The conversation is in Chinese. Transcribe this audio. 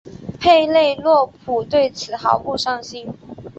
佩内洛普对此毫不上心。